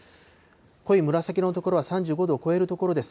濃い紫色の所は３５度を超える所です。